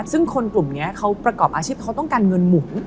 ซึ่งคนกลุ่มนี้เขาประกอบอาชีพเขาต้องการเงินหมุน